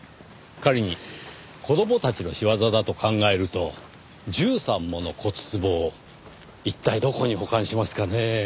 仮に子供たちの仕業だと考えると１３もの骨壺を一体どこに保管しますかねぇ？